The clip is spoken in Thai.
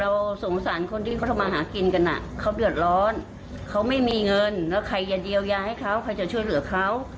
เราสงสารคนที่เขาทำมาหากินกันเขาเดือดร้อนเขาไม่มีเงินแล้วใครจะเยียวยาให้เขาใครจะช่วยเหลือเขา